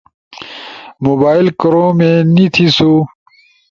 موبائل کوروم نی تھیسو۔